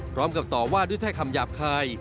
พร้อมกับต่อว่าด้วยคำหยาบคาย